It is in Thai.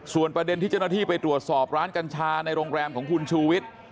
ส่วนประเด็นที่เจ้าหน้าที่ไปตรวจสอบร้านกัญชาในโรงแรมของคุณชูวิทย์